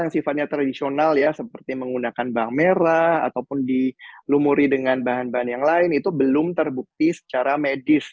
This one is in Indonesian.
yang sifatnya tradisional ya seperti menggunakan bahan merah ataupun dilumuri dengan bahan bahan yang lain itu belum terbukti secara medis